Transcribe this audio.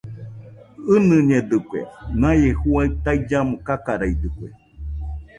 ɨnɨñedɨkue, naie juaɨ taillamo kakareidɨkue